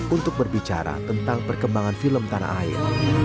untuk berbicara tentang perkembangan film tanah air